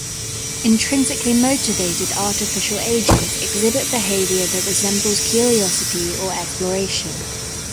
Intrinsically motivated artificial agents exhibit behaviour that resembles curiosity or exploration.